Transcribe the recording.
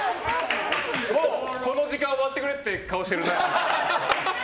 もうこの時間終わってくれって顔してるな。